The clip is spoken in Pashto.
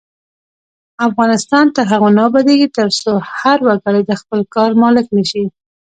افغانستان تر هغو نه ابادیږي، ترڅو هر وګړی د خپل کار مالک نشي.